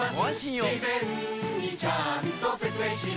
事前にちゃんと説明します